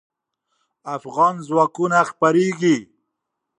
افغان ځواکونه خپرېږي.